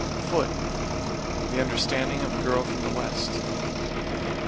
=FOOT= The understanding of a girl from the west.